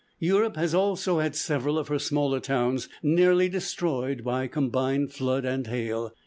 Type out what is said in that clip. Europe has also had several of her smaller towns nearly destroyed by combined flood and hail.